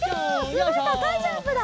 すごいたかいジャンプだ！